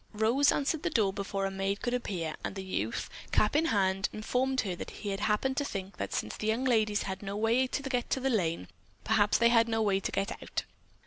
Rose answered the ring before a maid could appear, and the youth, cap in hand, informed her that he had happened to think that since the young ladies had had no way to get into the lane, perhaps they had no way to get out.